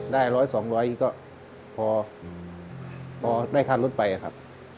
ร้อยสองร้อยก็พอได้ค่ารถไปครับ